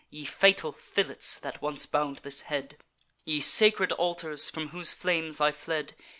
Ye fatal fillets, that once bound this head! Ye sacred altars, from whose flames I fled!